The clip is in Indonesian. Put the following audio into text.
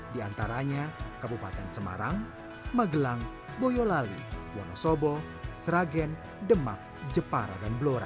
di antaranya kabupaten semarang magelang boyolali wonosobo sragen demak jepara dan blora